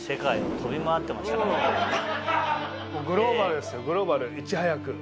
グローバルですよグローバルいち早く。